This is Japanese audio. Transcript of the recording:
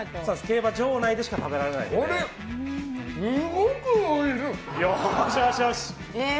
競馬場内でしかこれ、すごくおいしい！